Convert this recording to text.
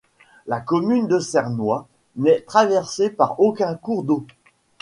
La commune de Cernoy n'est traversée par aucun cours d'eau.